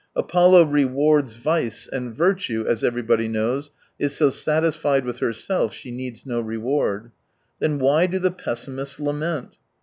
Apollo rewards vice, and virtue, as everybody knows, is so satisfied with herself she needs no reward. Then why do the pessimists lament